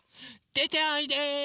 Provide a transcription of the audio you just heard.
でておいで。